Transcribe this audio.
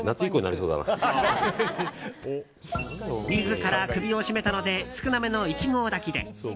自ら首を絞めたので少なめの１合炊きで。